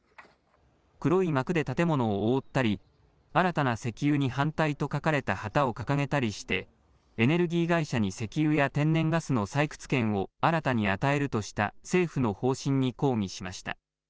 黒い幕で建物を覆ったり新たな石油に反対と書かれた旗を掲げたりしてエネルギー会社に石油や天然ガスの採掘権を新たに与えるとした政府の方針に抗議しました。